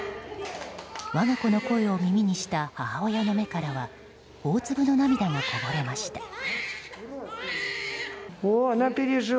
我が子の声を耳にした母親の目からは大粒の涙がこぼれました。